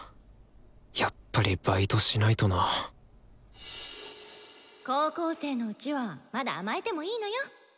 やっぱりバイトしないとな高校生のうちはまだ甘えてもいいのよ。